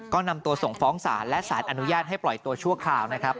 ก็นำตัวส่งฟ้องศาลและสารอนุญาตให้ปล่อยตัวชั่วคราวนะครับ